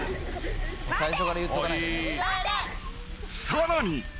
［さらに］